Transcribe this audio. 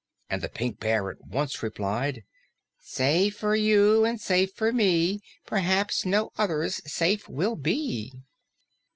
And the Pink Bear at once replied, "Safe for you and safe for me; Perhaps no others safe will be."